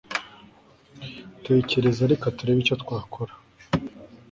Tekereza reka turebe icyo twakora